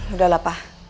udah lah pa